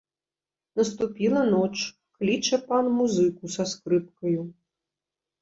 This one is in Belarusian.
Наступіла ноч, кліча пан музыку са скрыпкаю.